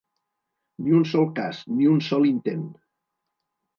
Ni un sol cas, ni un sol intent.